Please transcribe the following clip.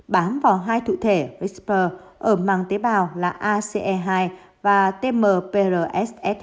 bám vào hai thụ thể vexper ở măng tế bào là ace hai và tmprss hai